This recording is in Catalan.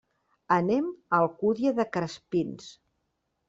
Anem a l'Alcúdia de Crespins.